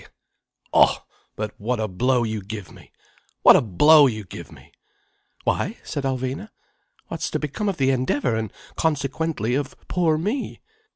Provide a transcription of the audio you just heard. _ Oh! but what a blow you give me! What a blow you give me!" "Why?" said Alvina. "What's to become of the Endeavour? and consequently, of poor me?"